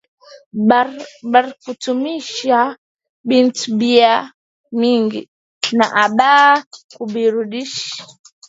Baritumikisha bintu bia mingi, na aba ku birudishe